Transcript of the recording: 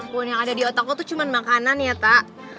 ya ampun yang ada di otak lo tuh cuma makanan ya tak